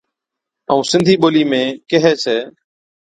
ائُون سِنڌِي ٻولِي ۾ ڪيھي ڇَي